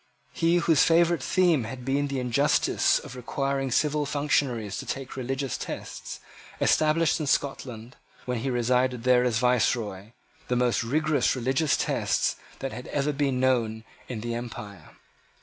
He, whose favourite theme had been the injustice of requiring civil functionaries to take religious tests, established in Scotland, when he resided there as Viceroy, the most rigorous religious test that has ever been known in the empire.